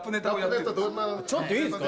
ちょっといいですか？